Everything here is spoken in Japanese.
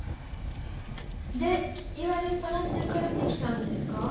で言われっぱなしで帰ってきたんですか。